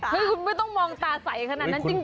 คุณไม่ต้องมองตาใสขนาดนั้นจริง